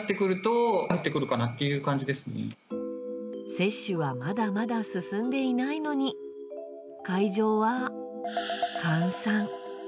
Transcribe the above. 接種はまだまだ進んでいないのに会場は閑散。